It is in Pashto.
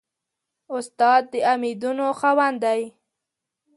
استاد د امیدونو خاوند وي.